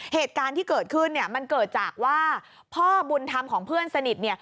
เหตุการณ์ที่เกิดขึ้นเนี่ยมันเกิดจากว่าพ่อบุญธรรมของเพื่อนสนิทเนี่ย